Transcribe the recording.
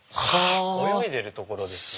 泳いでるところですね。